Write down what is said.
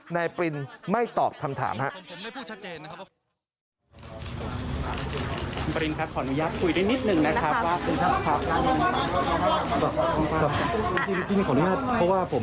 นายปรินไม่ตอบคำถามครับ